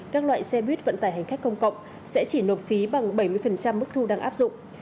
các loại xe buýt vận tải hành khách công cộng sẽ chỉ nộp phí bằng bảy mươi mức thu đang áp dụng